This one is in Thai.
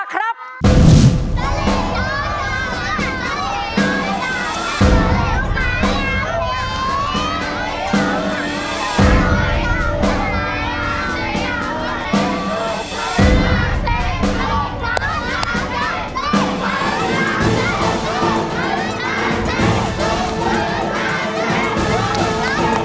กลับมาครับ